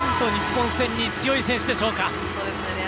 なんと日本戦に強い選手でしょうか。